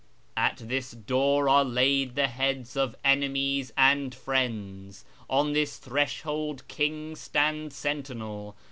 " At this door are laid the heads of enemies and friends, On this threshold kings stand sentinel.